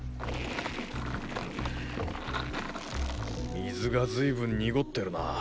水がずいぶん濁ってるなぁ。